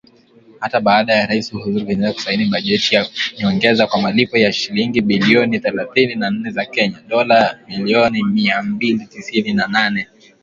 Hata baada ya Rais Uhuru Kenyatta kusaini bajeti ya nyongeza kwa malipo ya shilingi bilioni thelathini na nne za Kenya (dola milioni mia mbili tisini na nane)